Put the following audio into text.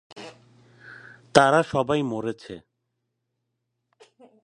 তারা সবাই মরেছে।